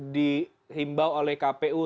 diimbau oleh kpu